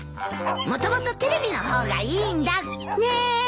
もともとテレビの方がいいんだ。ねえ。